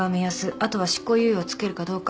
あとは執行猶予をつけるかどうか。